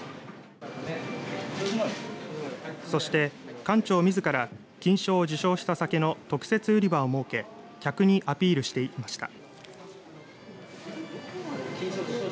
そして、館長みずから金賞を受賞した酒の特設売り場を設け客にアピールしていました。